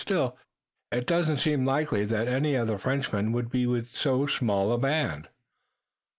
Still, it doesn't seem likely that any of the Frenchmen would be with so small a band."